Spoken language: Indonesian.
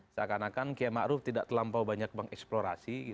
seakan akan kiai ma'ruf tidak terlampau banyak mengeksplorasi